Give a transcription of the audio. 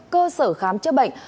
cơ sở khám chữa bệnh